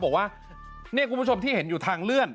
บอกว่านี่คุณผู้ชมที่เห็นอยู่ทางเลื่อน